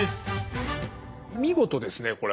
見事ですねこれ。